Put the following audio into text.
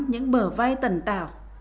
những bờ vai tần tào